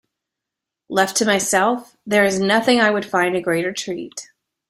Left to myself, there is nothing I would find a greater treat.